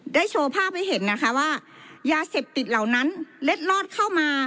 โชว์ภาพให้เห็นนะคะว่ายาเสพติดเหล่านั้นเล็ดลอดเข้ามา